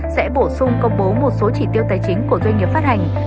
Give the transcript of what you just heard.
sẽ bổ sung công bố một số chỉ tiêu tài chính của doanh nghiệp phát hành